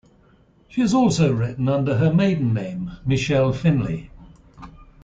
She has also written under her maiden name 'Michelle Finley'.